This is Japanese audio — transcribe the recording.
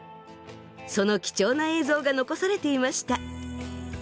その貴重な映像が残されていました。